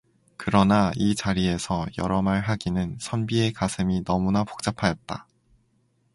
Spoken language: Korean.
그러나 이 자리에서 여러 말 하기는 선비의 가슴이 너무나 복잡하였다.